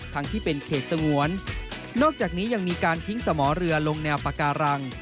ทั้งที่เป็นเขตสงวนนอกจากนี้ยังมีการทิ้งสมอเรือลงแนวปาการัง